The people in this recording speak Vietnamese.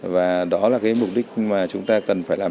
và đó là cái mục đích mà chúng ta cần phải làm